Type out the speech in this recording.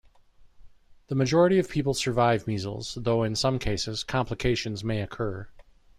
The majority of people survive measles, though in some cases, complications may occur.